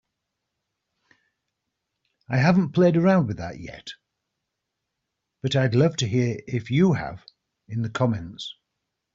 I haven't played around with that yet, but I'd love to hear if you have in the comments.